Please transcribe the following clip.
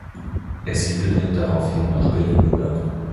Er siedelte daraufhin nach Berlin über.